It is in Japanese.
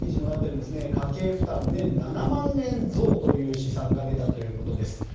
家計負担に年７万円増という試算が出たそうです。